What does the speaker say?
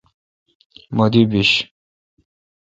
مہ دی بیش۔